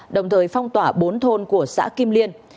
đồng thời phong tỏa bốn thôn của xã kim liên